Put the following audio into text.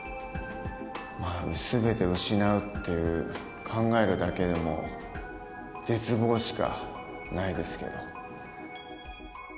全てを失うって考えるだけでも絶望しかないですけど。